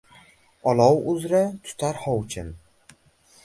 Olov uzra tutar hovuchin.